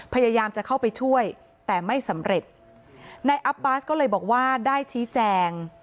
พยายามจะเข้าไปช่วยแต่ไม่สำเร็จนายอับบาสก็เลยบอกว่าได้ชี้แจง